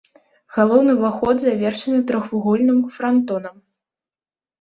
Галоўны ўваход завершаны трохвугольным франтонам.